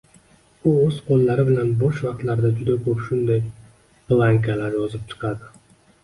U oʻz qoʻllari bilan boʻsh vaqtlarida juda koʻp shunday blankalar yozib chiqadi.